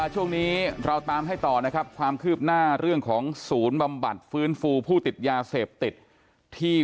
ช่วงนี้เราตามให้ต่อนะครับความคืบหน้าเรื่องของศูนย์บำบัดฟื้นฟูผู้ติดยาเสพติดที่